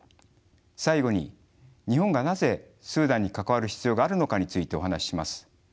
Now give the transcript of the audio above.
最後に日本がなぜスーダンに関わる必要があるのかについてお話しします。